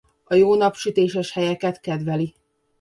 A jó napsütéses helyeket kedveli.